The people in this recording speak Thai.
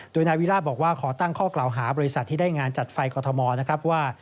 โดยนายวิราชบอกว่าขอตั้งข้อกล่าวหาบริษัทที่ได้งานจัดไฟกรทมนะครับว่า